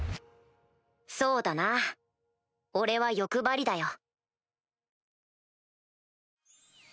そうだな俺は欲張りだよ。